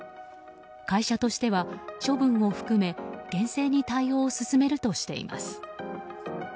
会社としては処分を含め、厳正に対応を進めるとしています。